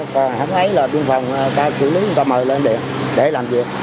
thấy là biên phòng xử lý người ta mời lên để làm việc